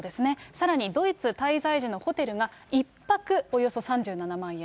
さらにドイツ滞在時のホテルが、１泊およそ３７万円。